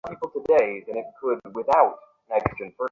কিন্তু সে হইতে দিব না।